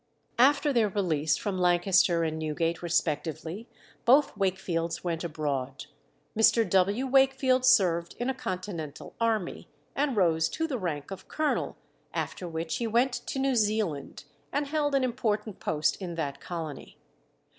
After their release from Lancaster and Newgate respectively, both Wakefields went abroad. Mr. W. Wakefield served in a continental army, and rose to the rank of colonel, after which he went to New Zealand, and held an important post in that colony.